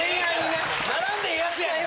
ならんでええやつやから。